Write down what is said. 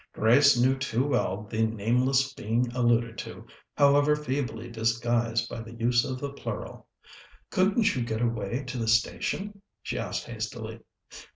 Grace knew too well the nameless being alluded to, however feebly disguised by the use of the plural. "Couldn't you get away to the station?" she asked hastily.